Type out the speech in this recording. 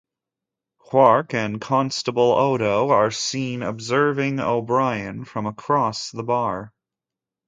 Quark and Constable Odo are seen observing O'Brien from across the bar.